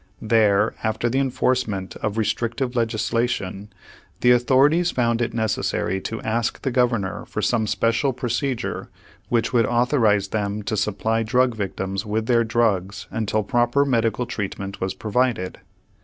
There, after the enforcement of restrictive legislation, the authorities found it necessary to ask the governor for some special procedure which would authorize them to supply drug victims with their drugs until proper medical treatment was provided.